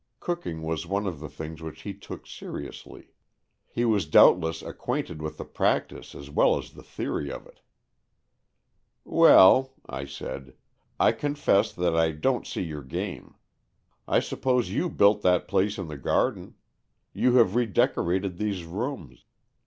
Cooking was one of the things which he took seriously. He was doubtless acquainted with the prac tice as well as the theory of it. "Well," I said, " I confess that I don't see your game. I suppose you built that place in the garden. You have redecorated these rooms.